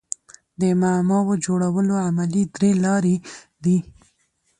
د معماوو جوړولو علمي درې لاري دي.